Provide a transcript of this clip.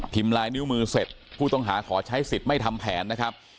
ลายนิ้วมือเสร็จผู้ต้องหาขอใช้สิทธิ์ไม่ทำแผนนะครับ